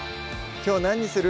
きょう何にする？